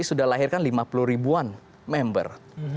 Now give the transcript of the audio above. sudah lahirkan lima puluh ribuan member